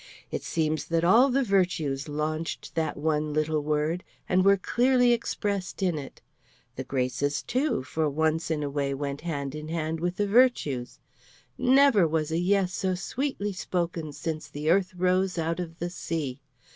It seems that all the virtues launched that one little word, and were clearly expressed in it. The graces, too, for once in a way went hand in hand with the virtues. Never was a "Yes" so sweetly spoken since the earth rose out of the sea.